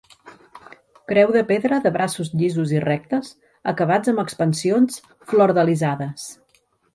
Creu de pedra de braços llisos i rectes acabats amb expansions flordelisades.